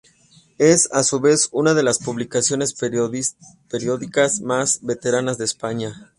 Es, a su vez, una de las publicaciones periódicas más veteranas de España.